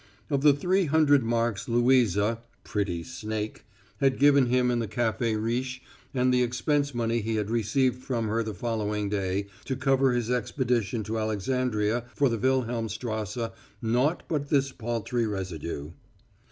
Of the three hundred marks Louisa pretty snake! had given him in the Café Riche and the expense money he had received from her the following day to cover his expedition to Alexandria for the Wilhelmstrasse naught but this paltry residue!